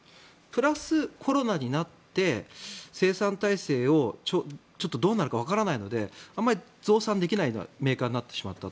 プラス、コロナになって生産体制をちょっとどうなるかわからないのであまり増産できないメーカーになってしまった。